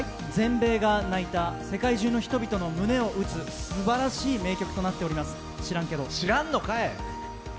全米が泣いた世界中の人々の胸を打つすばらしい名曲となってます。